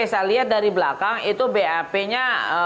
saya lihat dari belakang itu bap nya